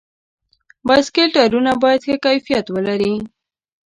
د بایسکل ټایرونه باید ښه کیفیت ولري.